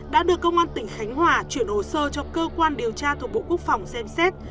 đã được công an tỉnh khánh hòa chuyển hồ sơ cho cơ quan điều tra thuộc bộ quốc phòng xem xét